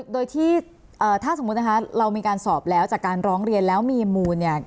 โดยที่ถ้าสมมุตินะคะเรามีการสอบแล้วจากการร้องเรียนแล้วมีมูลเนี่ย